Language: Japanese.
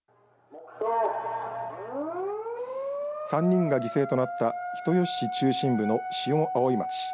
３人が犠牲となった人吉市中心部の下青井町。